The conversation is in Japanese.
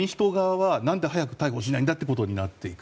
民主党側は何で早く逮捕しないんだということになっていく。